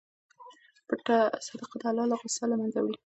پټه صدقه د اللهﷻ غصه له منځه وړي.